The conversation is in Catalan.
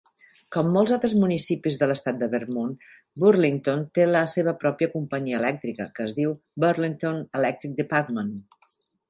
Com molts altres municipis de l'estat de Vermont, Burlington té la seva pròpia companyia elèctrica, que es diu Burlington Electric Department.